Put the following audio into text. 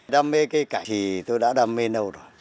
đam mê cây cảnh thì tôi đã đam mê lâu rồi